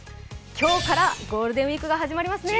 今日からゴールデンウイークが始まりますね。